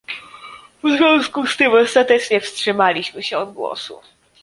W związku z tym ostatecznie wstrzymaliśmy się od głosu